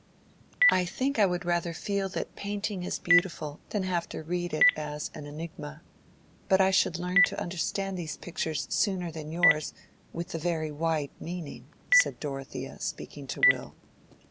"I think I would rather feel that painting is beautiful than have to read it as an enigma; but I should learn to understand these pictures sooner than yours with the very wide meaning," said Dorothea, speaking to Will.